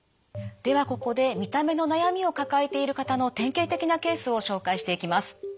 ではここで見た目の悩みを抱えている方の典型的なケースを紹介していきます。